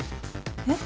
えっ？